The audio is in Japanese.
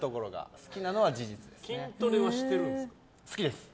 好きです。